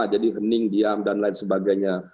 jadi kening diam dan lain sebagainya